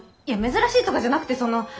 いや珍しいとかじゃなくてその。